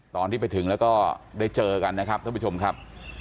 ตอนที่ไปถึงแล้วก็ได้เจอกันนะครับท่านผู้ชมครับ